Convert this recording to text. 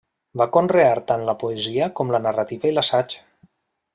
Va conrear tant la poesia com la narrativa i l'assaig.